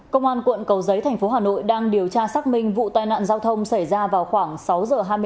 công an quận cầu giấy thành phố hà nội đang điều tra xác minh vụ tai nạn giao thông xảy ra vào khoảng sáu giờ hai mươi